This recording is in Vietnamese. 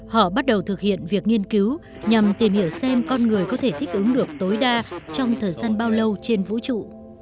họ bắt đầu thực hiện việc nghiên cứu nhằm tìm hiểu xem con người có thể thích ứng được tối đa trong thời gian bao lâu trên vũ trụ